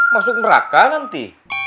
masuk meraka nanti